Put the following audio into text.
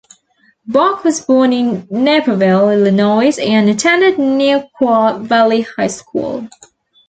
Bock was born in Naperville, Illinois and attended Neuqua Valley High School.